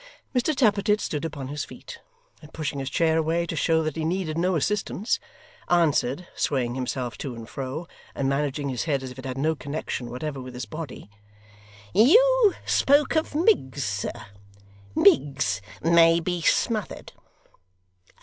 Mr Tappertit stood upon his feet, and pushing his chair away to show that he needed no assistance, answered, swaying himself to and fro, and managing his head as if it had no connection whatever with his body: 'You spoke of Miggs, sir Miggs may be smothered!